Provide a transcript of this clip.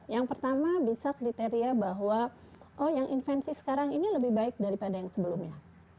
yang pertama bisa kriteria bahwa oh yang invensi sekarang ini lebih baik daripada yang sebelumnya